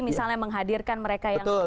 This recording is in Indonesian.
misalnya menghadirkan mereka yang